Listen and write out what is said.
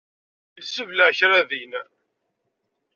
Yessebleɛ kra din.